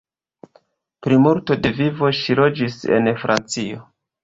Plimulto de vivo ŝi loĝis en Francio.